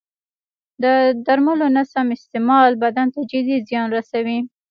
د درملو نه سم استعمال بدن ته جدي زیان رسوي.